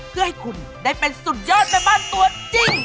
เพื่อให้คุณได้เป็นสุดยอดแม่บ้านตัวจริง